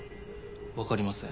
わかりません。